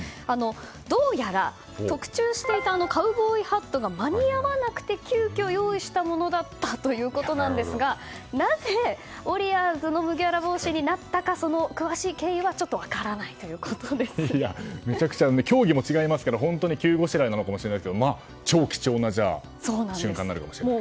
どうやら、特注していたカウボーイハットが間に合わなくて急きょ用意したものだったということなんですがなぜウォリアーズの麦わら帽子になったのかその詳しい経緯は競技も違いますから急ごしらえなのかもしれませんが超貴重な瞬間かもしれないと。